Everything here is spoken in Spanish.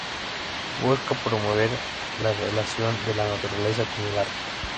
Busca promover la relación de la naturaleza con el arte.